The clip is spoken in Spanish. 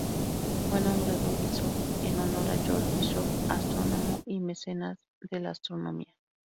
Fue nombrado Bishop en honor a George Bishop astrónomo y mecenas de la astronomía.